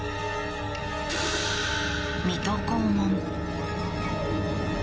水戸黄門。